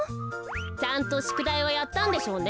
ちゃんとしゅくだいはやったんでしょうね。